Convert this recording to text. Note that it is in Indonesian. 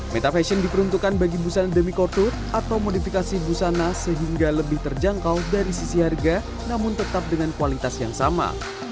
metafashion diperuntukkan bagi busana demi kortur atau modifikasi busana sehingga lebih terjangkau dari sisi harga namun tetap dengan kualitas yang sama